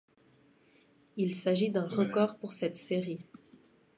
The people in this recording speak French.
Il s'agit d'un record pour cette série.